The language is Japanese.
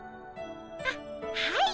あっはい。